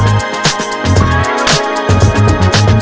tante seorang ngechat gue semalam